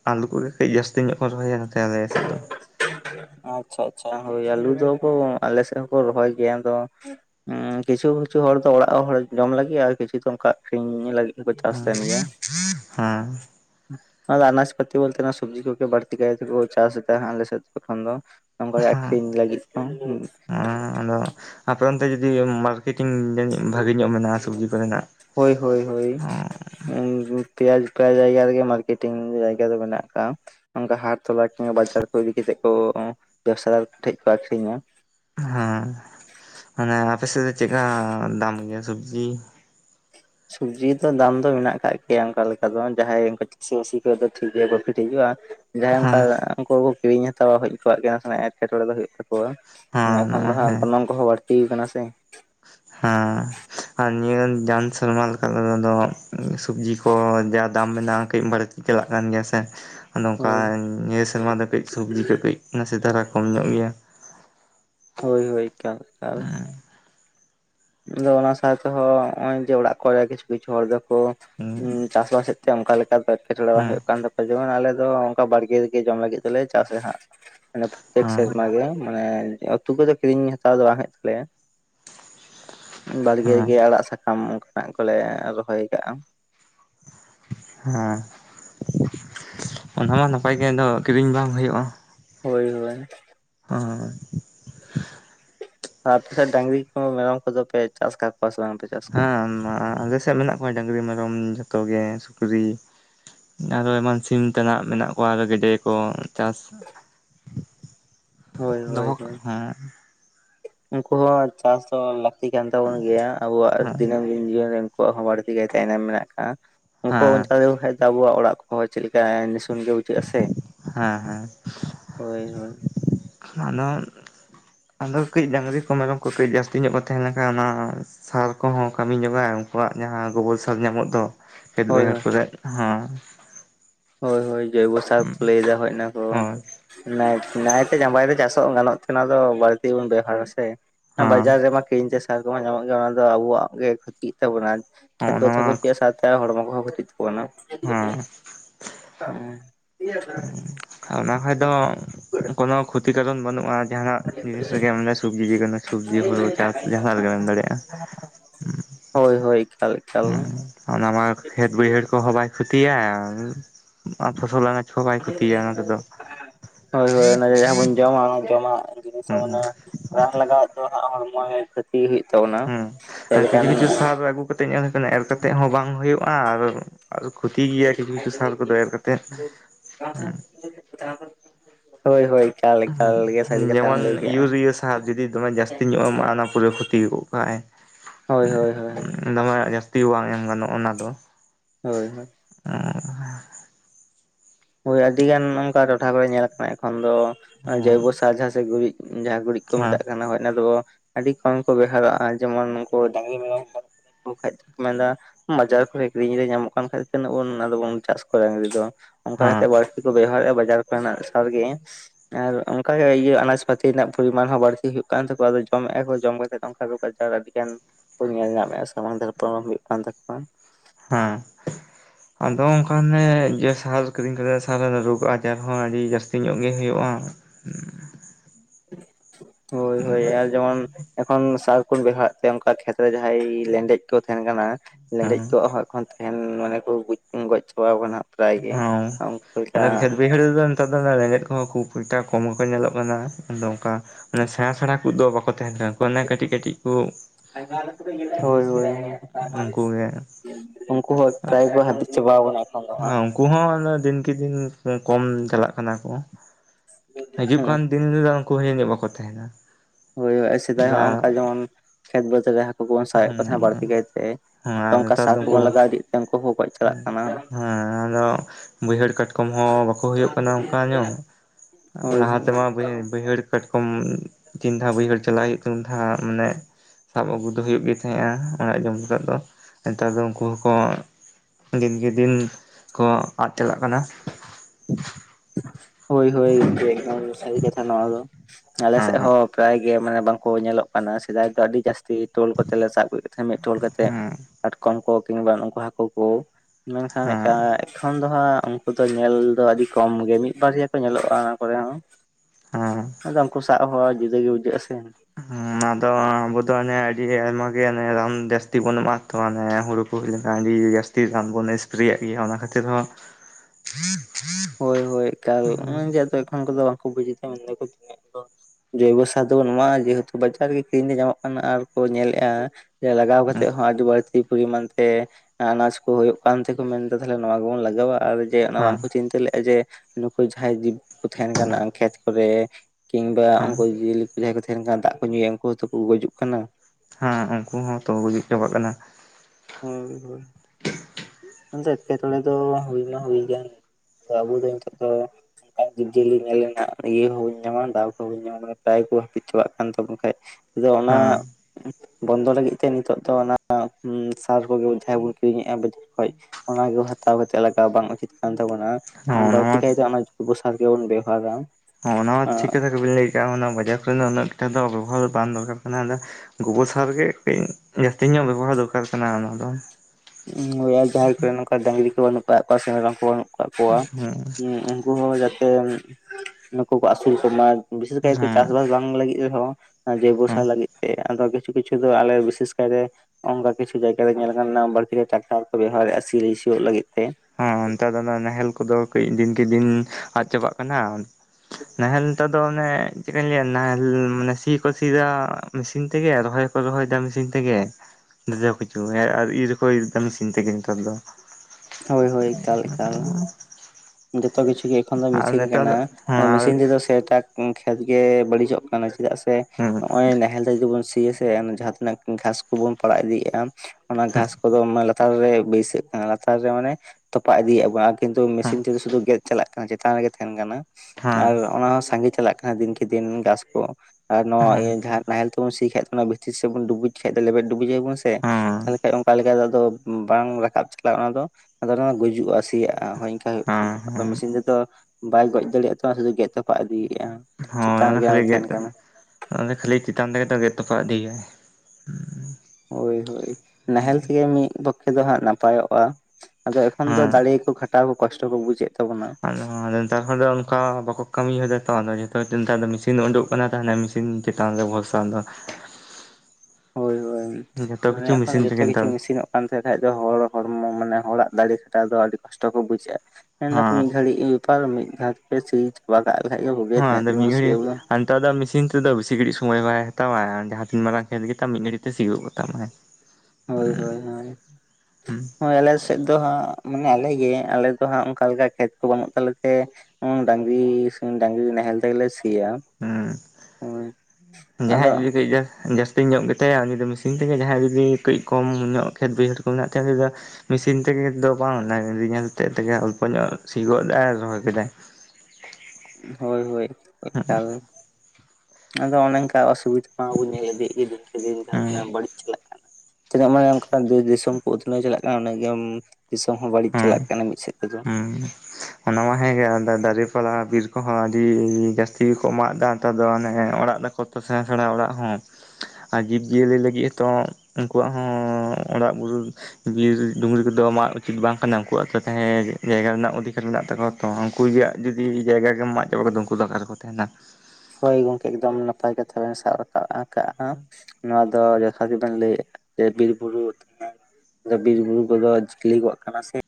ᱟᱞᱩ ᱠᱚᱜᱮ ᱠᱟᱹᱡ ᱡᱟᱹᱥᱛᱤ ᱧᱚᱜ ᱠᱚ ᱨᱚᱦᱚᱭᱟ ᱱᱚᱛ ᱟᱞᱮ ᱥᱮᱫ ᱫᱚ᱾ ᱟᱪᱪᱷᱟ ᱟᱪᱪᱷᱟ ᱦᱳᱭ ᱟᱞᱩ ᱫᱚᱠᱚ ᱟᱞᱮ ᱥᱮᱫ ᱦᱚᱸᱠᱚ ᱨᱚᱦᱚᱭ ᱜᱮᱭᱟ ᱟᱫᱚ᱾ ᱩᱸᱻ ᱠᱤᱪᱷᱩ ᱠᱤᱪᱷᱩ ᱦᱚᱲ ᱫᱚ ᱚᱲᱟᱜ ᱦᱚᱲ ᱡᱚᱢ ᱞᱟᱹᱜᱤᱫ, ᱟᱨ ᱠᱤᱪᱷᱩ ᱫᱚ ᱚᱱᱠᱟ ᱟᱠᱷᱨᱤᱧ ᱞᱟᱹᱜᱤᱫ᱾ ᱩᱱᱠᱩ ᱪᱟᱹᱥ ᱦᱮᱸ ᱜᱤᱭᱟᱹ ᱦᱮᱸ ᱟᱱᱟ ᱟᱱᱟᱡ ᱯᱚᱛᱛᱤ ᱵᱚᱞᱛᱮ ᱥᱚᱵᱡᱤ ᱠᱚᱜᱮ ᱵᱟᱲᱛᱤ ᱜᱮᱟᱭ ᱛᱮ ᱪᱟᱥ ᱠᱟ ᱦᱟᱜ ᱟᱞᱮ ᱥᱮᱫ ᱠᱷᱚᱱ ᱫᱚ ᱱᱚᱝᱠᱟ ᱟᱠᱷᱨᱤᱧ ᱞᱟᱹᱜᱤᱫ ᱦᱚᱸ᱾ ᱟᱨ ᱟᱫᱚ ᱛᱟᱯᱚᱨᱮ ᱚᱱᱛᱮ ᱡᱩᱫᱤ ᱢᱟᱨᱠᱮᱴᱤᱝ᱾ ᱤᱡ ᱵᱷᱟᱜᱮ ᱧᱚᱜ ᱢᱮᱱᱟᱜᱼᱟ ᱥᱚᱵᱡᱤ ᱠᱚᱨᱮᱱᱟᱜ ᱦᱳᱭ ᱚ᱾ ᱯᱮᱭᱟ ᱯᱮᱭᱟ ᱡᱟᱭᱜᱟ ᱨᱮᱜᱮ ᱢᱟᱨᱠᱮᱴᱤᱝ ᱡᱟᱭᱜᱟ ᱫᱚ ᱢᱮᱱᱟᱜ ᱟᱠᱟᱜᱼᱟ᱾ ᱚᱱᱠᱟ ᱦᱟᱴ ᱛᱚᱞᱟ ᱠᱤ ᱵᱟᱡᱟᱨ ᱠᱚ ᱤᱫᱤ ᱠᱟᱛᱮᱫ ᱠᱚ ᱵᱮᱵᱽᱥᱟᱨ ᱴᱷᱮᱡ ᱠᱚ ᱟᱠᱷᱨᱤᱧᱟ ᱦᱮᱸ ᱢᱟᱱᱮ ᱟᱯᱮ ᱥᱮᱫ ᱫᱚ ᱪᱮᱫ ᱞᱮᱠᱟ ᱫᱟᱢ ᱜᱮᱭᱟ ᱥᱚᱵᱽᱡᱤ? ᱥᱚᱵᱽᱡᱤ ᱫᱚ ᱫᱟᱢ ᱫᱚ ᱢᱮᱱᱟᱜ ᱟᱠᱟᱟᱜ ᱜᱮᱭᱟ ᱚᱱᱠᱟ ᱞᱮᱠᱟ ᱫᱚ ᱡᱟᱦᱟᱸᱭ ᱥᱮᱢ ᱥᱤ ᱠᱚ ᱫᱚ ᱴᱷᱤᱠ ᱜᱮᱭᱟ ᱠᱚᱯᱮ ᱴᱷᱤᱠ ᱜᱮᱼᱟ ᱡᱟᱦᱟᱸᱭ ᱚᱱᱠᱟ ᱦᱮᱸ ᱩᱱᱠᱩ ᱠᱚ ᱠᱤᱨᱤᱧ ᱦᱟᱛᱟᱣᱟ ᱦᱮᱡ ᱠᱚᱣᱟᱜ ᱜᱮᱱᱟᱜ ᱮᱴᱠᱮᱴᱚᱬᱮ ᱫᱚ ᱦᱩᱭᱩᱜ ᱛᱟᱠᱚ ᱦᱮᱸ ᱠᱚᱣᱟ ᱤᱠᱷᱟᱱ ᱱᱚᱣᱟ ᱫᱚ ᱦᱟᱸᱜ ᱦᱮᱸ ᱜᱚᱱᱚᱝ ᱠᱚᱦᱚᱸ ᱵᱟᱹᱲᱛᱤ ᱟᱠᱟᱱᱟ ᱥᱮ ᱦᱮᱸ ᱟᱨ ᱱᱤᱭᱟᱹ ᱡᱟᱱ ᱥᱮᱨᱢᱟ ᱞᱮᱠᱟ ᱛᱮᱫᱚ ᱥᱚᱵᱽᱡᱤ ᱠᱚ ᱡᱟ ᱫᱟᱢ ᱢᱮᱱᱟᱜᱼᱟ ᱠᱟᱹᱡ ᱵᱟᱹᱲᱤᱡ ᱪᱟᱞᱟᱜ ᱠᱟᱱ ᱜᱮᱭᱟ ᱥᱮ᱾ ᱱᱚᱝ ᱠᱟᱭ ᱦᱳᱭ ᱱᱤᱭᱟᱹ ᱥᱮᱨᱢᱟ ᱫᱷᱟᱵᱤᱡ ᱥᱚᱵᱽᱡᱤ ᱠᱚ ᱠᱟᱹᱡ ᱱᱟᱥᱮ ᱫᱷᱟᱨᱟ ᱠᱚᱢ ᱧᱚᱜ ᱜᱮᱭᱟ᱾ ᱦᱳᱭ ᱦᱳᱭ [unintelligible] ᱟᱫᱚ ᱚᱱᱟ ᱥᱟᱶᱛᱮᱦᱚᱸ ᱦᱟ-ᱚᱸᱭ ᱡᱮ ᱚᱲᱟᱜ ᱠᱚᱭᱮ ᱠᱤᱪᱷᱩ ᱠᱤᱪᱷᱩ ᱦᱚᱲ ᱫᱚᱠᱚ ᱦᱮᱸ ᱦᱩᱸᱪᱟᱥᱵᱟᱥᱮᱫ ᱛᱮ ᱚᱱᱠᱟ ᱞᱮᱠᱟ ᱫᱚ ᱮᱴᱠᱮᱴᱚᱬᱮ ᱵᱟᱝ ᱦᱮᱸ ᱦᱩᱭᱩᱜ ᱠᱟᱱ ᱛᱟ ᱡᱮᱢᱚᱱ ᱟᱞᱮ ᱫᱚ ᱚᱱᱠᱟ ᱵᱟᱲᱜᱮ ᱨᱮᱜᱮ ᱡᱚᱢ ᱞᱟᱹᱜᱤᱫ ᱝᱮᱞᱮ ᱪᱟᱥᱟ ᱦᱟᱸᱜ᱾ ᱢᱟᱱᱮ ᱯᱨᱚᱛᱛᱮᱠ ᱥᱮᱨᱢᱟ ᱜᱮ ᱢᱟᱱᱮ ᱩᱛᱩ ᱠᱚᱫᱚ ᱠᱤᱨᱤᱧ ᱦᱟᱛᱟᱣ ᱫᱚ ᱵᱟᱝ ᱦᱩᱭᱩᱜ ᱛᱟᱞᱮᱭᱟ᱾ ᱵᱟᱲᱜᱮ ᱦᱮᱸ ᱜᱮ ᱟᱲᱟᱜ ᱥᱟᱠᱟᱢ ᱚᱱᱠᱟᱱᱟᱜ ᱠᱚᱞᱮ ᱨᱚᱦᱚᱭ ᱠᱟᱜᱼᱟ᱾ ᱦᱩᱸ᱾ ᱚᱱᱟ ᱦᱚᱸ ᱱᱟᱯᱟᱭ ᱜᱮ ᱟᱫᱚ ᱠᱤᱨᱤᱧ ᱵᱟᱝ ᱦᱩᱭᱩᱜᱼᱟ᱾ ᱦᱳᱭ ᱦᱳᱭ᱾ ᱦᱩᱸ ᱦᱩᱸ᱾ ᱟᱨ ᱟᱯᱥᱮᱫ ᱰᱟᱝᱨᱤ ᱠᱚ ᱢᱮᱨᱚᱢ ᱠᱚᱫᱚᱯᱮ ᱪᱟᱥ ᱟᱠᱟᱜ ᱠᱚᱣᱟ ᱥᱮ ᱵᱟᱝᱯᱮ ᱪᱟᱥ? ᱦᱮᱸ ᱱᱚᱣᱟ ᱟᱞᱮᱥᱮᱫ ᱢᱮᱱᱟᱜ ᱠᱚᱣᱟ ᱰᱟᱹᱝᱨᱤ ᱢᱮᱨᱚᱢ ᱡᱚᱛᱚ ᱜᱮ ᱥᱩᱠᱨᱤ ᱟᱨᱚ ᱮᱢᱟᱱ ᱥᱤᱢ ᱛᱮᱱᱟᱜ ᱢᱮᱱᱟᱜ ᱠᱚᱣᱟ ᱟᱨ ᱜᱮᱰᱮ ᱠᱚ ᱪᱟᱥ [inaudible] ᱦᱳᱭ ᱦᱳᱭ ᱫᱚᱦᱚ ᱦᱳᱭ᱾ ᱦᱮᱸ ᱩᱱᱠᱩ ᱦᱚᱸ ᱪᱟᱥ ᱫᱚ ᱞᱟ ᱛᱤ ᱠᱟᱱ ᱛᱟᱵᱚᱱ ᱜᱮᱭᱟ ᱟᱵᱚᱣᱟᱜ ᱦᱮᱸ ᱫᱤᱱᱟᱹᱢ ᱫᱤᱱ ᱡᱤᱭᱚᱱ ᱨᱮ ᱩᱱᱠᱩᱣᱟᱜ ᱦᱚᱸ ᱵᱟᱹᱲᱛᱤ ᱠᱟᱭ ᱛᱮᱭᱱᱮᱢ ᱢᱮᱱᱟᱜ ᱟᱠᱟᱫ-ᱟ᱾ ᱩᱱᱠᱩ [unintelligible] ᱦᱮᱸ ᱟᱚᱣᱟᱜᱲᱟᱜ ᱠᱚᱦᱚᱸ ᱪᱮᱫᱞᱮᱠᱟ ᱮ ᱱᱤᱥᱩᱱ ᱜᱮ ᱵᱩ ᱦᱮᱸ, ᱦᱳᱭ ᱦᱳᱭ ᱦᱮᱸ ᱟᱫᱚ ᱟᱫᱚ ᱠᱟᱹᱡ ᱰᱟᱝᱝᱨᱤ ᱠᱚ ᱢᱮᱨᱚᱢ ᱠᱚ ᱠᱟᱹᱡ ᱡᱟᱹᱥᱛᱤ ᱧᱚᱜ ᱠᱚ ᱛᱟᱦᱮᱸ ᱞᱮᱱ ᱠᱷᱟᱱᱡ ᱚᱱᱟ ᱥᱟᱨ ᱠᱚᱦᱚᱸ ᱠᱟᱹᱢᱤ ᱧᱚᱜᱟ ᱩᱱᱠᱩᱣᱟᱜ ᱡᱟᱦᱟᱸ ᱜᱚᱵᱚᱞ ᱥᱟᱨ ᱧᱟᱢᱚᱜ ᱫᱚ᱾ ᱠᱷᱟᱹᱮᱛ ᱦᱳᱭ ᱵᱟᱹᱭᱦᱟᱹᱲ ᱦᱳᱭ ᱠᱚᱨᱮ ᱦᱚᱸ ᱦᱳᱭ, ᱦᱳᱭ ᱡᱳᱭᱵ ᱥᱟᱨ ᱠᱚ ᱞᱟᱹᱭᱮᱫᱫᱟ᱾ ᱦᱳ ᱮᱱᱟᱠᱚ ᱦᱳᱭ ᱱᱟᱭ ᱱᱟᱭᱛᱮ ᱡᱟᱸᱵᱟᱭ ᱫᱚ ᱪᱟᱥᱚᱜ ᱜᱟᱱᱚᱜ ᱛᱮ ᱚᱱᱟ ᱫᱚ, ᱵᱟᱹᱲᱛᱤᱵᱚᱱ ᱵᱮᱣᱦᱟᱨᱟ ᱥᱮ᱾ ᱦᱚᱸ ᱵᱟᱡᱟᱨ ᱨᱮᱢᱟ ᱠᱤᱨᱤᱧ ᱛᱮ ᱥᱟᱨ ᱠᱚᱢᱟ ᱧᱟᱢᱚᱜ ᱜᱮᱭᱟ᱾ ᱚᱱᱟ ᱫᱚ ᱟᱵᱚᱣᱟ-ᱜ ᱜᱮ ᱠᱷᱚᱛᱤᱜ ᱛᱟᱵᱚᱱᱟ᱾ ᱠᱷᱮᱛ ᱚᱱᱟ ᱵᱚᱪᱷᱚ ᱠᱚ ᱛ ᱥᱟᱶᱛᱮ ᱦᱚᱲᱢᱚ ᱠᱚᱦᱚᱸ ᱵᱷᱟᱹᱤ ᱛᱟᱵᱚᱱᱟ᱾ ᱦᱮᱸ᱾ [unintelligible] ᱚᱱᱟ ᱠᱷᱚᱡ ᱫᱚ ᱠᱚ-ᱱᱚ ᱩᱚᱛᱛᱤᱠᱟᱫᱚᱱ ᱵᱟᱹᱱᱩᱜᱼᱟ ᱡᱟᱦᱟᱱᱟᱜ ᱡᱤᱱᱤᱥ ᱨᱮᱜᱮᱢ ᱮᱢ ᱵᱟᱱᱩᱼᱟ᱾ ᱥᱚᱵᱡᱤ ᱡᱮᱠᱚᱱᱱᱳ ᱥᱚᱵᱽᱡᱤ ᱦᱩᱲᱩ ᱪᱟᱥ ᱡᱟᱦᱟᱱᱟᱜ ᱨᱮᱜᱮᱢ ᱮᱢ ᱫᱟᱲᱮᱭᱟᱜᱼᱟ᱾ ᱦᱳᱭ ᱦᱳᱭ- ᱠᱷᱞ ᱠᱷᱮᱞ᱾ ᱟᱢ ᱠᱷᱮᱛ ᱵᱟᱹᱦᱟᱹᱲ ᱠᱚ ᱦᱚ ᱵᱟᱭ ᱠᱷᱩᱚᱛᱤᱭᱟᱭ ᱟᱨ ᱯᱷᱚᱥᱚᱞ ᱠᱚᱦᱚᱸ ᱵᱟᱭ ᱠᱷᱚᱛᱤᱭᱟ ᱚᱱᱟ ᱛᱮᱫᱚ [unintelligible] ᱦᱳᱭ, ᱦᱳᱭ ᱚᱱᱟ ᱡᱟᱦᱟᱸ ᱵᱚᱱ ᱡᱚᱢᱟ ᱚᱱᱟ ᱡᱚᱢᱟᱜ ᱡᱤᱱᱤᱥ ᱦᱚᱸ ᱦᱩᱸ ᱢᱟᱱᱮ ᱨᱟᱱ ᱞᱟᱜᱟᱣᱟᱜ ᱫᱚ ᱦᱟᱸᱜ ᱦᱚᱲᱢᱚ ᱨᱮ ᱠᱷᱚᱛᱤ ᱦᱩᱭᱩᱜ ᱛᱟᱵᱚᱱᱟ᱾ ᱡᱮᱠᱷᱟᱱ ᱠᱟᱛᱮ ᱧᱮᱞ ᱦᱩᱭ ᱠᱟᱱᱟ ᱮᱨ ᱠᱟᱛᱮᱜ ᱦᱚᱸ ᱵᱟᱝ ᱦᱩᱭᱩᱜᱼᱟ ᱟᱨᱚ ᱟᱨ ᱠᱷᱚᱛᱤ ᱜᱮᱭᱟ ᱠᱤᱪᱷᱩ ᱠᱤᱪᱷᱩ ᱥᱟᱨ ᱠᱚ ᱫᱚᱭᱟᱨ ᱠᱟᱛᱮᱮᱫ ᱦᱩᱸ᱾ [unintelligible] ᱦᱳᱭ ᱦᱳᱭ ᱮᱠᱟᱞ ᱮᱠᱟᱞ ᱜᱮ ᱦᱩᱸ ᱥᱟᱹᱨᱤ ᱠᱟᱛᱷᱟᱢ ᱡᱮᱢᱚᱱ ᱞᱟᱹᱭ ᱠᱮᱜᱼᱟ ᱤᱭᱩᱨᱤᱭᱟᱹ ᱥᱟᱦᱟᱨ ᱡᱩᱫᱤ ᱫᱚᱢᱮ ᱡᱟᱹᱥᱛᱤ ᱧᱚᱜ ᱮᱢ ᱮᱢᱚᱜ-ᱟ ᱚᱱᱟ ᱯᱩᱨᱟᱹ ᱠᱷᱚ ᱛᱤᱭᱩ-ᱜ ᱠᱟᱼᱟᱭ ᱦᱳᱭ ᱦᱳᱭ ᱦᱳᱭ ᱫᱟᱢᱮ ᱡᱟᱹᱥᱛᱤ ᱵᱟᱝ ᱮᱢ ᱜᱟᱱᱚᱜᱼᱟ᱾ ᱚᱱᱟ ᱫᱚ᱾ ᱦᱳᱭ ᱦᱳᱭ [unintelligible] ᱦᱳᱭ ᱟᱹᱰᱤ ᱜᱟᱱ ᱚᱱᱠᱟ ᱴᱚᱴᱷᱟ ᱠᱚᱨᱮ ᱧᱮᱞ ᱟᱠᱟᱱᱟ᱾ ᱮᱠᱷᱚᱱ ᱫᱚ ᱦᱮᱸ ᱡᱚᱭᱵ ᱥᱟᱨᱡ ᱥᱮ ᱜᱩᱨᱤᱡ ᱡᱟᱦᱟᱸ ᱜᱩᱨᱤᱡ ᱠᱚ ᱦᱮᱸ ᱢᱮᱛᱟᱜ ᱠᱟᱱᱟ᱾ ᱚᱱᱟ ᱫᱚ ᱟᱹᱰᱤ ᱠᱚᱢ ᱠᱚ ᱵᱮᱣᱦᱟᱨᱚᱜᱼᱟ᱾ ᱡᱮᱢᱚᱱᱠᱩ ᱰᱨᱤ ᱢᱮ ᱩᱱ ᱠᱷᱟᱱ ᱫᱚ-ᱠᱚ ᱢᱮᱱ ᱮᱫᱟ᱾ ᱵᱟᱡᱟᱨ ᱠᱷᱚᱱᱚᱡ ᱠᱤᱨᱤᱧ ᱨᱮ, ᱧᱟᱢᱚᱜ ᱠᱟᱱ ᱠᱷᱟᱤᱱᱟᱹᱜ ᱵ ᱚᱱᱟᱵ ᱪᱟᱥ ᱠᱚᱨᱮᱨᱤ ᱫᱚ, ᱚᱱᱠᱟ ᱠᱟᱛᱮ ᱦᱮᱸ ᱠᱚ ᱵᱮᱣᱦᱟᱨᱮᱫᱼᱟ ᱵᱟᱡᱟᱨ ᱠᱚᱨᱮᱱᱟᱜ ᱥᱟᱨᱜᱮ᱾ ᱟᱨ ᱚᱱᱠᱟᱟᱜᱮ ᱤᱭᱟᱹ ᱟᱱᱟᱡ ᱯᱟᱛᱤ ᱨᱮᱱᱟᱜ ᱯᱚᱨᱤᱢᱟᱱ ᱦᱚᱸ ᱵᱟᱹᱲᱛᱤ ᱦᱩᱭᱩᱜ ᱠᱟᱱ ᱛᱟᱠᱚᱣᱟ ᱟᱫᱚ ᱡᱚᱢᱮᱫᱼᱟ ᱠᱚ᱾ ᱡᱚᱢ ᱠᱟᱛᱮᱫ ᱚᱱᱠᱟ ᱠᱚ ᱟᱹᱰᱤ ᱜᱟᱱ ᱠᱚ ᱧᱮᱞ ᱧᱟᱢ ᱢᱮᱫ ᱥᱟᱢᱟᱝ ᱫᱟᱨᱮ ᱛᱮ ᱚᱞ ᱦᱩᱭᱩᱜ ᱠᱟᱱ ᱛᱟᱠᱚᱣᱟ ᱦᱮᱸ ᱟᱫᱚ ᱚᱱᱠᱟᱱᱮ ᱡᱮ ᱥᱟᱨ ᱠᱤᱨᱤᱧ ᱠᱟᱛᱮ ᱥᱟᱨ ᱨᱳᱜᱽ ᱟᱡᱟᱨ ᱦᱚᱸ ᱟᱹᱰᱤ ᱡᱟᱹᱥᱛᱤ ᱧᱚᱜ ᱜᱮ ᱦᱩᱭᱩᱜᱚᱜᱼᱟ [inaudible] ᱦᱳᱭ ᱦᱳᱭ ᱦᱮᱸ ᱟᱨ ᱡᱮᱢᱚᱱ ᱮᱠᱷᱚᱱ ᱥᱟᱨ ᱠᱚ ᱵᱮᱣᱦᱟᱨ ᱛᱮ ᱚᱱᱠᱟ ᱠᱷᱮᱛ ᱨᱮ ᱡᱟᱦᱟᱸᱭ ᱞᱮᱸᱰᱮᱡ ᱠᱚ ᱛᱟᱦᱮᱱ ᱠᱟᱱᱟ᱾ ᱞᱮᱸᱰᱮᱡ ᱠᱚᱜ ᱦᱚᱸ ᱮᱠᱷᱚᱱ ᱛᱟᱦᱮᱱ ᱢᱟᱱᱮ ᱠᱚ ᱜᱚᱡ ᱜᱚᱡ ᱪᱟᱵᱟ ᱣᱟᱠᱟᱱᱷᱟᱜ ᱦᱮᱸ ᱟᱫᱚ ᱡᱷᱟᱹᱞ ᱵᱟᱹᱭᱦᱟᱹᱲ ᱨᱮᱫᱚ ᱱᱮᱛᱟᱨ ᱫᱚ ᱚᱱᱟ ᱨᱮᱸᱜᱮᱡ ᱠᱚᱦᱚᱸ ᱠᱷᱩᱵ ᱮᱠᱴᱟ ᱠᱚᱢ ᱜᱮ ᱠᱚ ᱧᱮᱞᱚᱜ ᱠᱟᱱᱟ ᱟᱫᱚ ᱚᱱᱠᱟ ᱢᱟᱱᱮ ᱥᱮᱬᱟ ᱥᱮᱬᱟ ᱠᱚᱫᱚ ᱵᱟᱠᱚ ᱛᱟᱦᱮᱸᱱ ᱠᱟᱱ ᱚᱱᱮ ᱠᱟᱹᱴᱤᱡ ᱠᱟᱹᱴᱤᱡ ᱠᱚ ᱦᱳᱭ ᱦᱳᱭ [inaudible] ᱩᱱᱠᱩ ᱜᱮ ᱩᱱᱠᱩ ᱦᱚᱸ [unintelligible] ᱠᱚ ᱦᱟᱯᱤᱜ ᱪᱟᱵᱟᱣ ᱠᱟᱱᱟ ᱮᱠᱷᱚᱱ ᱫᱚ ᱦᱟᱸᱜ ᱦᱮᱸ ᱩᱱᱠᱩ ᱦᱚᱸ ᱫᱤᱱᱠᱮ ᱫᱤᱱ ᱠᱚᱢ ᱪᱟᱞᱟᱜ ᱠᱟᱱᱟ ᱠᱚ ᱦᱤᱡᱩᱜ ᱦᱮᱸ ᱠᱟᱱ ᱫᱤᱱ ᱦᱤᱞᱚᱜ ᱩᱱᱠᱩ ᱡᱟᱹᱱᱤᱡ ᱵᱟᱝ ᱠᱚ ᱛᱟᱦᱮᱸᱱᱟ ᱦᱚᱭ ᱥᱮᱫᱟᱭ ᱚᱱᱠᱟ ᱡᱮᱢᱚᱱ ᱠᱷᱮᱛ ᱵᱟᱹᱫᱽ ᱨᱮ ᱦᱟᱹᱠᱩ ᱠᱚᱵᱚᱱ ᱥᱟᱵ ᱮᱫᱠᱚ ᱛᱟᱦᱮᱸ ᱵᱟᱲᱛᱤ ᱠᱟᱭ ᱛᱮ ᱦᱮᱸ ᱟᱨ ᱱᱮᱛᱟᱨ ᱫᱚ ᱩᱱᱠᱩ ᱩᱱᱠᱩ ᱦᱚᱸ ᱜᱚᱡ ᱪᱟᱞᱟᱜ ᱦᱩᱸ ᱠᱟᱱᱟ ᱦᱮᱸ ᱟᱫᱚ ᱵᱟᱹᱭᱦᱟᱹᱲ ᱠᱟᱴᱠᱚᱢ ᱦᱚᱸ ᱵᱟᱠᱚ ᱦᱩᱭᱩᱜ ᱠᱟᱱᱟ ᱚᱱᱠᱟ ᱧᱚᱜ ᱦᱳᱭ ᱞᱟᱦᱟ ᱦᱳᱭ ᱛᱮᱢᱟ ᱵᱟ. ᱭ ᱵᱟᱹᱭᱦᱟᱹᱲ ᱠᱟᱴᱠᱚᱢ ᱛᱤᱱ ᱫᱷᱟᱣ ᱵᱟᱹᱭᱦᱟᱹᱲ ᱪᱟᱞᱟᱜ ᱦᱩᱭᱩᱜ ᱛᱟᱦᱮᱸᱜ ᱢᱟᱱᱮ ᱥᱟᱵ ᱟᱹᱜᱩ ᱦᱩᱭᱩᱜ ᱜᱮ ᱛᱟᱦᱮᱸᱱᱟ ᱚᱲᱟᱜ ᱡᱚᱢ ᱞᱮᱠᱟᱫᱚ, ᱱᱮᱛᱟᱨ ᱫᱚ ᱩᱱᱠᱩ ᱦᱚᱸᱠᱚ ᱫᱤᱱ ᱠᱮ ᱫᱤᱱ ᱠᱚ ᱟᱫ ᱪᱟᱞᱟᱜ ᱠᱟᱱᱟ᱾ ᱦᱳᱭ ᱦᱳᱭ ᱮᱠᱟᱞ ᱥᱟᱹᱨᱤ ᱠᱟᱛᱷᱟ ᱱᱚᱶᱟ ᱫᱚ ᱟᱞᱮ ᱥᱮᱫ ᱦᱮᱸ ᱦᱚᱸ ᱯᱟᱨᱟᱭ ᱜᱮ ᱢᱟᱱᱮ ᱵᱟᱝᱠᱚ ᱧᱮᱞᱚᱜ ᱠᱟᱱᱟ ᱥᱮᱫᱟᱭ ᱫᱚ ᱟᱹᱰᱤ ᱡᱟᱹᱥᱼᱼᱼ ᱴᱚᱞ ᱠᱚᱛᱮ ᱞᱮ ᱥᱟᱵ ᱠᱚ ᱛᱟᱦᱮᱸᱱᱟ ᱢᱤᱫ ᱴᱚᱞ ᱠᱟᱛᱮᱫ ᱦᱮᱸ ᱠᱟᱴᱠᱚᱢ ᱠᱚ ᱠᱤᱝᱵᱟ ᱩᱱᱠᱩ ᱦᱟᱹᱠᱩ ᱠᱚ ᱢᱮᱱᱠᱷᱟᱱ ᱦᱮᱸ ᱮᱠᱷᱚᱱ ᱫᱚᱦᱟᱸᱜ ᱩᱱᱠᱩ ᱫᱚ ᱧᱮᱞ ᱫᱚ ᱟᱹᱰᱤ ᱠᱚᱢ ᱜᱮ ᱢᱤᱫ ᱵᱟᱨᱭᱟ ᱠᱚ ᱧᱮᱞᱚᱜᱼᱟ, ᱚᱱᱟ ᱠᱚᱨᱮ ᱦᱚᱸ ᱦᱮᱸ ᱟᱫᱚ ᱩᱱᱠᱩ ᱥᱟᱼᱼᱼ ᱥᱟᱵ ᱦᱚᱣᱟ ᱡᱩᱫᱟᱹ ᱜᱤ ᱵᱩᱡᱷᱟᱹᱜ ᱟᱥᱮ ᱟᱫᱚ ᱟᱵᱚ ᱫᱚ ᱦᱚᱱᱮ ᱟᱹᱰᱤ ᱟᱭᱢᱟ ᱜᱮ ᱨᱟᱱ ᱡᱟᱹᱥᱛᱤ ᱵᱚᱱ ᱮᱢᱟ ᱛᱚ ᱦᱟᱱᱮ ᱦᱩᱲᱩ ᱦᱩᱭ ᱞᱮᱱᱟ ᱟᱹᱰᱤ ᱡᱟᱹᱥᱛᱤ ᱨᱟᱱ ᱵᱚᱱ ᱮᱥᱯᱨᱮᱭᱟᱜ ᱜᱮᱭᱟ ᱚᱱᱟ ᱠᱷᱟᱹᱛᱤᱨ ᱦᱚᱸ ᱦᱚᱭ ᱦᱚᱭ ᱮᱠᱟᱞ ᱚᱭᱡᱮ ᱦᱮᱸ ᱮᱠᱷᱚᱱ ᱠᱚᱫᱚ ᱵᱟᱠᱚ ᱵᱩᱡᱮᱫ ᱢᱮᱱᱫᱟᱠᱚ ᱪᱤᱠᱟ. ᱪᱚᱼᱼ ᱡᱭᱵᱚᱥᱟᱨ ᱫᱚ ᱮᱢᱟᱜᱟ ᱡᱮᱦᱮᱛᱩ ᱵᱟᱡᱟᱨ ᱜᱮ ᱠᱤᱨᱤᱧ ᱛᱮ ᱧᱟᱢᱚᱜ ᱠᱟᱱᱟ ᱟᱨ ᱠᱚ ᱧᱮᱞᱮᱫᱼᱟ᱾ ᱞᱟᱜᱟᱣ ᱠᱟᱛᱮᱫ ᱦᱚᱸ ᱟᱹᱰᱤ ᱵᱟᱹᱲᱛᱤ ᱯ ᱯᱚᱨᱤᱢᱟᱱ ᱛᱮ ᱟᱱᱟᱡ ᱠᱚ ᱦᱩᱭᱩᱜ ᱠᱟᱱ ᱛᱮᱠᱚ ᱢᱮᱱ ᱮᱫᱟ ᱛᱟᱦᱞᱮ ᱱᱚᱶᱟ ᱜᱮᱵᱚᱱ ᱞᱟᱜᱟᱣᱟ ᱟᱨ ᱡᱮ ᱚᱱᱟ ᱦᱮᱸ ᱵᱟᱝᱠᱚ ᱪᱤᱱᱛᱟᱹ ᱞᱮᱫᱼᱟ ᱡᱮ ᱱᱩᱠᱩ ᱡᱟᱦᱟᱸᱭ ᱡᱤᱵ ᱠᱚ ᱛᱟᱦᱮᱱ ᱠᱟᱱᱟ ᱠᱷᱮᱛ ᱠᱚᱨᱮ ᱠᱤᱝᱵᱟ ᱦᱮᱸ ᱩᱱᱠᱩ ᱡᱤᱭᱟᱹᱞᱤ ᱠᱚ ᱡᱟᱦᱟᱸᱭ ᱠᱚ ᱛᱟᱦᱮᱱ ᱠᱟᱱᱟ, ᱫᱟᱜ ᱠᱚ ᱧᱩᱭᱮᱫᱭᱟ ᱩᱱᱠᱩ ᱦᱚᱸᱛᱚᱠᱚ ᱜᱡᱩᱜ ᱠᱟᱱᱟ᱾ ᱦᱮᱸ ᱩᱱᱠᱩ ᱦᱚᱸ ᱛᱚ ᱵᱟᱹᱜᱤ ᱪᱟᱵᱟᱜ ᱠᱟᱱᱟ᱾ ᱦᱳᱭ ᱦᱚᱭ ᱮᱴᱠᱮᱴᱚᱬᱮ ᱫᱚ ᱦᱩᱭ ᱢᱟ ᱦᱩᱭ ᱜᱟᱱ ᱟ ᱟᱵᱚ ᱫᱚ ᱱᱤᱛᱚᱜ ᱫᱚ ᱡᱤᱵᱽ ᱡᱤᱭᱟᱹᱞᱤ ᱧᱮᱞ ᱨᱮᱱᱟᱜ ᱤᱭᱟᱹ ᱦᱚᱸᱧ ᱧᱟᱢᱟ ᱫᱟᱣ ᱠᱚᱵᱚᱧ ᱧᱟᱢᱟ ᱢᱟᱱᱮ ᱯᱨᱟᱭ ᱠᱚ ᱦᱟᱹᱯᱤᱫ ᱪᱟᱵᱟᱜ ᱠᱟᱱ ᱛᱟᱵᱚᱱ ᱠᱷᱟᱡ [unintelligible] ᱚᱱᱟ ᱦᱮᱸ ᱵᱚᱱᱫᱚ ᱞᱟᱹᱜᱤᱫ ᱛᱮ ᱱᱤᱛᱚᱜ ᱫᱚ ᱚᱱᱟ ᱥᱟᱨ ᱠᱚᱜᱮ ᱡᱟᱦᱟᱸᱭ ᱵᱚᱱ ᱠᱤᱨᱤᱧᱮᱜᱼᱟ ᱚᱱᱟᱱᱜᱮ ᱦᱟᱛᱟᱣ ᱠᱟᱛᱮ ᱞᱟᱜᱟᱣ ᱵᱟᱝ ᱩᱪᱤᱛ ᱠᱟᱱ ᱛᱟᱵᱚᱱᱟ ᱚᱱᱟ ᱵᱟᱹᱲᱛᱤ ᱢᱟ ᱠᱟᱭᱛᱮ ᱜᱚ ᱥᱟᱨ ᱜᱮᱵᱚᱱ ᱵᱮᱵᱷᱟᱨᱟ ᱾ ᱦᱚᱸ ᱚᱱᱟ ᱢᱟ ᱴᱷᱤᱠ ᱠᱟᱛᱷᱟ ᱜᱮᱵᱤᱱ ᱞᱟᱹᱭᱟᱠᱟᱜᱼᱟ ᱚᱱᱟ ᱵᱟᱡᱟᱨ ᱠᱚᱨᱮ ᱫᱚ ᱩᱱᱟᱹᱜ ᱴᱟ ᱫᱚ ᱵᱮᱵᱷᱟᱨ ᱵᱟᱝ ᱫᱚᱨᱠᱟᱨ ᱠᱟᱱᱟ ᱟᱫᱚ ᱜᱳᱵᱚᱨ ᱥᱟᱨᱜᱮ ᱠᱟᱹᱡ ᱡᱟᱹᱥᱛᱤ ᱧᱚᱜ ᱵᱮᱵᱚᱦᱟᱨ ᱫᱚᱨᱠᱟᱨ ᱠᱟᱱᱟ ᱚᱱᱟᱫᱚ ᱦᱩᱸᱡᱟᱸᱣᱟᱭ ᱠᱚᱨᱮᱱ ᱱᱚᱝᱠᱟ ᱰᱟᱝᱨᱤ ᱠᱚ ᱵᱟᱹᱱᱩᱜ ᱚᱠᱟ ᱥᱮᱫ ᱦᱚᱸ [unintelligible] ᱠᱚ ᱵᱟᱹᱱᱩᱜ ᱠᱟᱜ ᱠᱚᱣᱟ ᱦᱮᱸ ᱦᱩᱸ ᱩᱱᱩᱠᱩ ᱦᱚᱸ ᱡᱟᱛᱮ ᱱᱩᱠᱩ ᱠᱚ ᱟᱹᱥᱩᱞ ᱠᱚᱢᱟ ᱵᱤᱥᱮᱥ ᱠᱟᱭᱛᱮ ᱦᱮᱸ ᱪᱟᱥᱵᱟᱥ ᱵᱟᱝ ᱞᱟᱹᱜᱤᱫ ᱨᱮᱦᱚᱸ ᱦᱮᱸ ᱡᱚᱜᱚᱥᱟᱭ ᱞᱟᱹᱜᱤᱫ ᱛᱮ ᱾ ᱟᱫᱚ ᱠᱤᱪᱷᱩ ᱠᱤᱪᱷᱩ ᱫᱚ ᱟᱞᱮ ᱵᱤᱥᱮᱥᱟᱭᱛᱮ ᱚᱱᱠᱟ ᱠᱤᱪᱷᱩ ᱡᱟᱭᱜᱟ ᱨᱮ ᱧᱮᱞᱟᱠᱟᱱᱟ ᱵᱟᱹᱲ ᱛᱤ ᱴᱟᱠᱴᱟᱨ ᱠᱚ ᱵᱮᱵᱷᱟᱨᱮᱜᱼᱟ ᱥᱤ ᱨᱮ ᱥᱤᱭᱩᱜ ᱞᱟᱹᱜᱤᱫ ᱛᱮ ᱦᱮᱸ ᱱᱮᱛᱟᱨ ᱫᱚ ᱚᱱᱟ ᱱᱟᱦᱮᱞ ᱠᱚᱫᱚ ᱠᱟᱹᱡ ᱫᱤᱱ ᱠᱮ ᱫᱤᱱ ᱟᱫ ᱪᱟᱵᱟᱜ ᱠᱟᱱᱟ ᱱᱟᱦᱮᱞ ᱛᱟ ᱫᱚ ᱚᱱᱮ ᱪᱮᱫᱠᱟᱧ ᱞᱟᱹᱭᱟ ᱱᱟᱦᱮᱞ ᱢᱟᱱᱮ ᱥᱤ ᱠᱚ ᱥᱤ ᱫᱟ ᱢᱮᱥᱤᱱ ᱛᱮᱜᱮ ᱨᱚᱦᱚᱭ ᱨᱚᱦᱚᱭ ᱫᱟᱢ ᱢᱮᱥᱤᱱ ᱛᱮᱜᱮ ᱡᱚᱛᱚ ᱠᱤᱪᱷᱩ ᱟᱨ ᱤᱨᱦᱚᱸᱠᱚ ᱤᱨ ᱫᱟ ᱢᱮᱥᱤᱱ ᱛᱮᱜᱮ ᱱᱮᱛᱟᱨ ᱫᱚ ᱦᱚᱭ ᱦᱚᱭ ᱮᱛᱟᱞ ᱮᱛᱟᱞ ᱾ ᱡᱚᱛᱚ ᱠᱤᱪᱷᱩ ᱜᱮ ᱮᱠᱷᱚᱱ ᱫᱚ ᱟᱨ ᱢᱮᱥᱤᱱ ᱱᱮᱛᱟᱨ ᱠᱟᱱᱟ ᱫᱚ ᱦᱮᱸ ᱟᱨ ᱢᱮᱥᱤᱱ ᱛᱮᱫᱚ ᱥᱮᱛᱟᱜ ᱠᱷᱮᱛ ᱜᱮ ᱵᱟᱹᱲᱤᱡᱚᱜ ᱠᱟᱱᱟ ᱪᱮᱫᱟᱜ ᱥᱮ ᱦᱮᱸ ᱱᱚᱜ-ᱚᱭ ᱱᱟᱦᱮᱞ ᱛᱮ ᱡᱩᱫᱤ ᱵᱚᱱ ᱥᱤᱭᱟ ᱥᱮ ᱡᱟᱦᱟᱸ ᱛᱤᱱᱟᱹᱜ ᱜᱷᱟᱥ ᱠᱚᱵᱚᱱ ᱯᱟᱲᱟᱜ ᱤᱫᱤᱭᱮᱫᱼᱟ ᱚᱱᱟ ᱜᱷᱟᱥ ᱠᱚᱫᱚ ᱚᱱᱟ ᱞᱟᱛᱟᱨ ᱨᱮ ᱵᱟᱹᱭᱥᱟᱹᱜ ᱠᱟᱱᱟ ᱞᱟᱛᱟᱨ ᱨᱮ ᱢᱟᱱᱮ ᱛᱚᱯᱟᱜ ᱤᱫᱤᱭᱮᱜ ᱟᱵᱚᱱ ᱠᱤᱱᱛᱩ ᱦᱮᱸ ᱢᱮᱥᱤᱱ ᱛᱮᱫᱚ ᱥᱩᱫᱩ ᱜᱮᱫ ᱪᱟᱞᱟᱜ ᱠᱟᱱᱟ ᱪᱮᱛᱟᱱ ᱨᱮᱜᱮ ᱛᱟᱦᱮᱸᱱ ᱠᱟᱱᱟ ᱟᱨ ᱦᱮᱸ ᱚᱱᱟ ᱦᱚᱸ ᱥᱟᱸᱜᱮ ᱪᱟᱞᱟᱜ ᱠᱟᱱᱟ ᱫᱤᱱᱠᱮ ᱫᱤᱱ ᱜᱷᱟᱥ ᱠᱚ ᱾ ᱟᱨ ᱱᱚᱣᱟ ᱦᱮᱸ ᱤᱭᱟᱹ ᱡᱟᱦᱟᱸ ᱱᱟᱦᱮᱞ ᱛᱮᱵᱚᱱ ᱥᱤ ᱠᱷᱟᱡ ᱚᱱᱟ ᱵᱷᱤᱛᱤᱨ ᱥᱮᱜᱵᱩᱱ ᱰᱩᱵᱩᱡ ᱠᱷᱮᱡ ᱫᱚ ᱞᱮᱵᱮᱫ ᱰᱩᱵᱩᱡ ᱟᱵᱚᱱ ᱥᱮ ᱦᱮᱸ ᱛᱟᱦᱞᱮ ᱠᱷᱟᱡ ᱚᱱᱠᱟ ᱞᱮᱠᱟ ᱟᱫᱚ ᱵᱟᱝ ᱨᱟᱠᱟᱵ ᱪᱟᱞᱟᱜᱼᱟ ᱚᱱᱟ ᱫᱚ ᱟᱫᱚ ᱚᱱᱟ ᱜᱩᱡᱩᱜᱼᱟ ᱥᱮᱭᱟᱜᱼᱟ ᱦᱚᱭ ᱮᱝᱠᱟ ᱦᱮᱸ ᱦᱮᱸ [unintelligible] ᱛᱮᱫᱚ ᱵᱟᱭ ᱜᱚᱡ ᱫᱟᱲᱮᱭᱟᱜ-ᱟ ᱛᱚ ᱥᱩᱫᱩ ᱜᱮᱫ ᱛᱚᱯᱟᱜ ᱤᱫᱤᱭᱮᱜᱼᱟ ᱾ ᱦᱚᱸ ᱚᱱᱟ ᱠᱷᱟᱹᱞᱤ ᱜᱮᱫ ᱛᱮᱫ ᱾ ᱚᱱᱟ ᱠᱷᱟᱹᱞᱤ ᱪᱮᱛᱟᱱ ᱛᱮᱜᱮ ᱛᱚ ᱜᱮᱫ ᱛᱚᱯᱟᱜ ᱤᱫᱤᱭᱟᱭ ᱦᱩᱸ ᱾ ᱦᱚᱭ ᱦᱚᱭ ᱱᱟᱦᱮᱞ ᱛᱮᱜᱮ ᱢᱤᱫ ᱵᱚᱠᱷᱮ ᱫᱚ ᱦᱟᱸᱜ ᱱᱟᱯᱟᱭᱚᱜᱼᱟ ᱾ ᱟᱫᱚ ᱮᱠᱷᱚᱱ ᱫᱚ ᱦᱮᱸ ᱫᱟᱲᱮ ᱠᱚ ᱠᱷᱟᱴᱟᱣ ᱠᱚ ᱠᱚᱥᱴᱚ ᱠᱚ ᱵᱩᱡᱮᱜ ᱛᱟᱵᱚᱱᱟ ᱾ ᱟᱫᱚ ᱫᱚ ᱱᱮᱛᱟᱨ ᱦᱚᱲ ᱫᱚ ᱚᱱᱠᱟ ᱵᱟᱠᱚ ᱠᱟᱹᱢᱤ ᱦᱚᱫᱟ ᱛᱚ ᱟᱫᱚ ᱡᱚᱛᱚ ᱱᱮᱛᱟᱨ ᱫᱚ ᱢᱮᱥᱤᱱ ᱩᱰᱩᱠ ᱠᱟᱱᱟ ᱛᱟᱦᱮᱱᱟ᱾ ᱥᱤᱱ ᱪᱮᱛᱟᱱ ᱨᱮ ᱵᱷᱚᱨᱥᱟ ᱫᱚ ᱾ ᱦᱚᱭ ᱦᱚᱭ ᱡᱚᱛᱚ ᱢᱟᱱᱮ ᱠᱤᱪᱷᱩ ᱮᱠᱷᱚᱱ ᱫᱚ ᱢᱮᱥᱤᱱ ᱡᱚᱛᱚ ᱛᱮᱜᱮ ᱠᱤᱪᱷᱩ ᱱᱮᱛᱟᱨ ᱢᱮᱥᱤᱱᱟᱜ ᱠᱟᱱ ᱛᱮ ᱠᱷᱟᱡ ᱫᱚ ᱦᱚᱲ ᱦᱚᱲᱢᱚ ᱢᱟᱱᱮ ᱦᱚᱲᱟᱜ ᱫᱟᱲᱮ ᱠᱷᱟᱴᱟᱣ ᱫᱚ ᱟᱹᱰᱤ ᱠᱚᱥᱴᱚ ᱠᱚ ᱵᱩᱡᱟ ᱾ ᱢᱮᱱ ᱫᱟᱠᱚ ᱦᱮᱸ ᱢᱤᱫ ᱜᱷᱟᱟᱹᱲᱤᱡ ᱵᱮᱯᱟᱨ ᱢᱤᱫ ᱜᱷᱟᱲ ᱛᱮ ᱥᱤ ᱪᱟᱵᱟ ᱠᱟᱜ ᱞᱮᱠᱷᱟᱡ ᱜᱮ ᱵᱷᱩᱜᱤᱭᱟ ᱦᱮᱸ ᱛᱤᱱᱟᱜ ᱟᱫᱚ ᱢᱤᱫ ᱛᱮᱜᱤ ᱜᱷᱟᱹᱲᱤᱡ ᱥᱤᱭᱟᱵᱚᱫᱚ ᱟᱨ ᱱᱮᱛᱟᱨ ᱫᱚ ᱢᱮᱥᱤᱱ ᱛᱮᱫ ᱵᱤᱥᱤ ᱜᱷᱟᱹᱲᱤᱡ ᱥᱚᱢᱚᱭ ᱵᱟᱭ ᱦᱟᱛᱟᱣᱟ ᱟᱨ ᱡᱟᱦᱟᱸ ᱛᱤᱱ ᱢᱟᱨᱟᱝ ᱠᱷᱮᱛ ᱜᱮᱛᱟᱢ ᱢᱤᱫ ᱜᱷᱟᱹᱲᱤᱡ ᱛᱮ ᱥᱤ ᱜᱚᱫ ᱠᱟᱛᱟᱢᱟᱭ ᱾ ᱦᱚᱭ ᱦᱚᱭ ᱦᱚᱭ ᱦᱩᱸ ᱾ ᱦᱚᱭ ᱟᱞᱮᱥᱮᱫ ᱫᱚ ᱦᱟᱸᱜ ᱢᱟᱱᱮ ᱟᱞᱮ ᱜᱮ ᱟᱞᱮ ᱫᱚ ᱦᱟᱸᱜ ᱚᱱᱠᱟ ᱞᱮᱠᱟ ᱠᱷᱮᱛ ᱠᱚ ᱵᱟᱹᱱᱩᱜ ᱛᱟᱞᱮ ᱛᱮ ᱦᱚᱸ ᱰᱟᱝᱨᱤ ᱥᱮ ᱰᱟᱝᱨᱤ ᱱᱟᱦᱮᱞ ᱛᱮᱜᱞᱮ ᱥᱤᱭᱟ᱾ ᱦᱳᱭ ᱦᱩᱸ ᱟᱫᱚ ᱡᱟᱦᱟᱸ ᱡᱩᱫᱤ ᱠᱟᱹᱡ ᱡᱟᱹᱥ, ᱡᱟ. ᱥ ᱛᱤ ᱧᱚᱜ ᱜᱮᱛᱟᱭᱟ ᱩᱱᱤ ᱫᱚ ᱢᱮᱥᱤᱱ ᱛᱮᱜᱮ ᱡᱟᱦᱟᱸᱭ ᱡᱩᱫᱤ ᱠᱟᱹᱡ ᱠᱚᱢ ᱧᱚᱜ ᱠᱷᱮᱛ ᱵᱟᱹᱭᱦᱟᱹᱲ ᱠᱚ ᱢᱮᱱᱟᱜ ᱛᱟᱭᱟ ᱩᱱᱤ ᱫᱚ ᱢᱮᱥᱤᱱ ᱛᱮᱜᱮ ᱫᱚ ᱵᱟᱝ ᱰᱟᱝᱨᱤ ᱱᱟᱦᱮᱞ ᱛᱮ ᱛᱮᱜᱮ ᱚᱞᱯᱚ ᱧᱚᱜ ᱥᱤ ᱜᱚᱫ ᱞᱮᱜ-ᱟᱭ ᱨᱚᱦᱚᱭ ᱠᱮᱫᱟᱭ᱾ ᱦᱚᱭ ᱦᱚᱭ ᱮᱠᱟᱞ ᱟᱫᱚ ᱚᱱᱮ ᱚᱱᱠᱟ ᱚᱥ [unintelligible] ᱢᱟ ᱵᱚᱱ ᱧᱮᱞ ᱤᱫᱤᱭᱮᱫ ᱜᱮ ᱫᱤᱱ ᱠᱮ‌ ᱫᱤᱱ ᱦᱩᱸ ᱵᱟᱹᱲᱤᱡ ᱪᱟᱞᱟᱜ ᱠᱟᱱᱟ ᱾ ᱛᱤᱱᱟᱹᱜ ᱢᱟᱱᱮ ᱚᱱᱠᱟ ᱫᱤᱥᱚᱢ ᱠᱚ ᱩᱛᱱᱟᱹᱣ ᱪᱟᱞᱟᱜ ᱠᱟᱱᱟ ᱩᱱᱟᱹᱜ ᱜᱮ ᱫᱤᱥᱚᱢ ᱦᱚᱸ ᱵᱟᱲᱤᱡ ᱪᱟᱞᱟᱜ ᱦᱩᱸ ᱠᱟᱱᱟ ᱢᱤᱫ ᱥᱮᱫ ᱛᱮᱫᱚ ᱾ ᱦᱩᱸ ᱚᱱᱟ ᱢᱟ ᱦᱮᱸᱜᱮ ᱟᱨ ᱫᱟᱨᱮ ᱯᱟᱞᱟ ᱵᱤᱨ ᱠᱚᱦᱚᱸ ᱟᱰᱤ ᱡᱟᱥᱛᱤ ᱜᱮᱠᱚ ᱢᱟᱜᱽ ᱮᱫᱟ ᱱᱮᱛᱟᱨ ᱫᱚ ᱚᱱᱮ ᱚᱲᱟᱜ ᱨᱮᱠᱚ ᱾ ᱥᱮᱬᱟ ᱥᱮᱬᱟ ᱚᱲᱟᱜ ᱦᱚᱸ ᱟᱨ ᱡᱤᱵ ᱡᱤᱭᱟᱹᱞᱤ ᱞᱟᱹᱜᱤᱫ ᱦᱚᱛᱚ ᱩᱱᱠᱩᱣᱟᱜ ᱦᱚᱸ ᱚᱲᱟᱜ ᱵᱩᱨᱩ ᱵᱤᱨ ᱰᱩᱝᱨᱤ ᱠᱚᱫᱚ ᱢᱟᱜᱽ ᱩᱪᱤᱛ ᱵᱟᱝ ᱠᱟᱱᱟ ᱩᱱᱠᱩᱣᱟᱜ ᱛᱚ ᱛᱟᱦᱮᱸ ᱡᱟᱭᱜᱟ ᱨᱮᱱᱟᱜ ᱚᱫᱷᱤᱠᱟᱨ ᱢᱮᱱᱟᱜ ᱛᱟᱠᱚᱣᱟ ᱛᱚ ᱩᱱᱠᱩ ᱜᱮᱭᱟᱜ ᱡᱩᱫᱤ ᱡᱟᱭᱜᱟ ᱜᱮᱢ ᱢᱟᱜᱽ ᱪᱟᱵᱟ ᱠᱮᱫᱟ ᱠᱩ ᱫᱚ ᱟᱠᱟ ᱨᱮᱠᱚ ᱛᱟᱦᱮᱸᱱᱟ᱾ ᱦᱚᱭ ᱜᱚᱝᱠᱮ ᱮᱠᱫᱚᱢ ᱱᱟᱯᱟᱭ ᱠᱟᱛᱷᱟ ᱵᱮᱱ ᱥᱟᱵ ᱨᱟᱠᱟᱵ ᱟᱠᱟᱜᱼᱟ ᱾ ᱱᱚᱣᱟ ᱫᱚ ᱡᱚᱛᱷᱟᱛ ᱜᱮᱵᱮᱱ ᱞᱟᱹᱭᱮᱜ ᱡᱮ ᱵᱤᱨ ᱵᱩᱨᱩ ᱵᱤᱨ ᱵᱩᱨᱩ ᱠᱚᱫᱚ ᱡᱤᱠᱞᱤ ᱠᱚᱣᱟᱜ ᱠᱟᱱᱟ ᱥᱮ